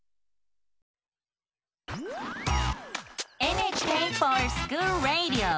「ＮＨＫｆｏｒＳｃｈｏｏｌＲａｄｉｏ」！